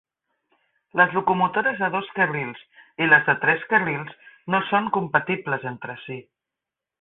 Les locomotores de dos carrils i les de tres carrils no són compatibles entre si.